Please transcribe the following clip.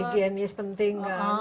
higienis penting kan